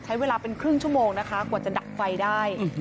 ใช้เวลาเป็นครึ่งชั่วโมงนะคะกว่าจะดับไฟได้